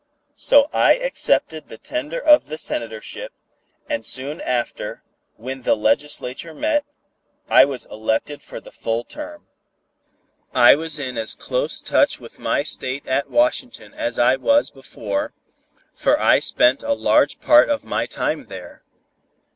So I accepted the tender of the Senatorship, and soon after, when the legislature met, I was elected for the full term. I was in as close touch with my State at Washington as I was before, for I spent a large part of my time there.